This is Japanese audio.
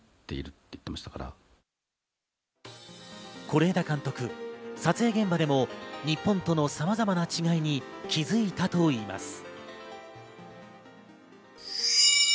是枝監督、撮影現場でも日本とのさまざまな違いに気づいたといいます。